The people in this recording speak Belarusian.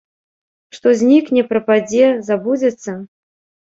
Што знікне, прападзе, забудзецца?